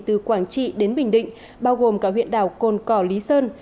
từ quảng trị đến bình định bao gồm cả huyện đảo cồn cỏ lý sơn